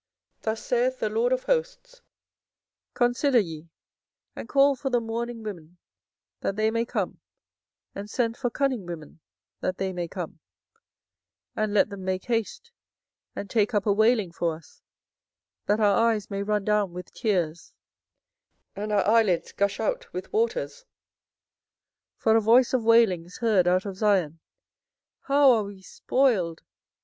24:009:017 Thus saith the LORD of hosts, Consider ye, and call for the mourning women, that they may come; and send for cunning women, that they may come: 24:009:018 And let them make haste, and take up a wailing for us, that our eyes may run down with tears, and our eyelids gush out with waters. 24:009:019 For a voice of wailing is heard out of Zion, How are we spoiled!